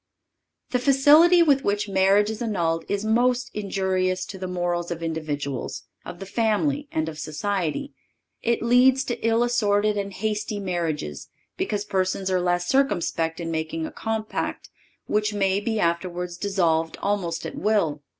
The facility with which marriage is annulled is most injurious to the morals of individuals, of the family and of society. It leads to ill assorted and hasty marriages, because persons are less circumspect in making a compact which may be afterwards dissolved almost at will.